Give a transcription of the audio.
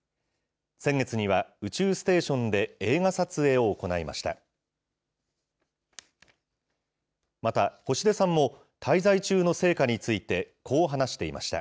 先月には宇宙ステーションで映画撮影を行いました。